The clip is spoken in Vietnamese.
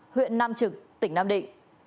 huyện nam trực tỉnh nam định